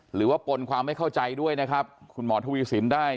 ปนความไม่เข้าใจด้วยนะครับคุณหมอทวีสินได้